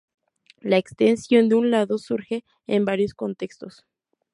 La extensión de un lado surge en varios contextos.